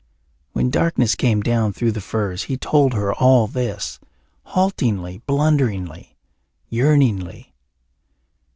When darkness came down through the firs he told her all this, haltingly, blunderingly, yearningly.